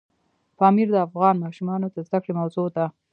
پامیر د افغان ماشومانو د زده کړې موضوع ده.